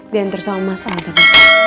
diantar sama mas al tadi